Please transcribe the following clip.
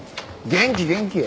元気元気。